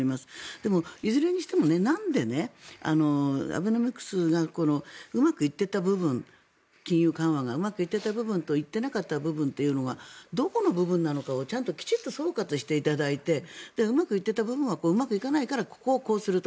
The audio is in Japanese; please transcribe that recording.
でも、いずれにしてもなんでアベノミクスが金融緩和がうまくいっていた部分といっていなかった部分というのはどこの部分なのかということはちゃんときちんと総括していただいてうまくいっていた部分とうまくいかなかった部分はここをこうすると。